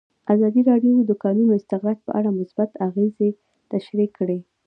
ازادي راډیو د د کانونو استخراج په اړه مثبت اغېزې تشریح کړي.